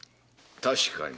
確かに。